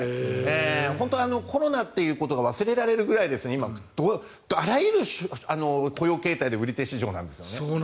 本当はコロナということが忘れられるくらいあらゆる雇用形態で売り手市場なんですね。